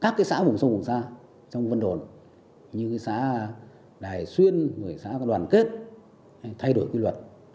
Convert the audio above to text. các xã vùng sông xã vùng xa trong vân đồn như xã đài xuyên xã đoàn kết thay đổi quy luật